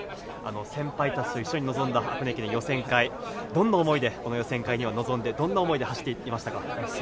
先輩たちと一緒に臨んだ箱根駅伝予選会、どんな思いで臨んで、どんな思いで走りきりましたか？